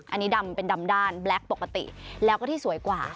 อันนี้ดำเป็นดำด้านแบล็คปกติแล้วก็ที่สวยกว่า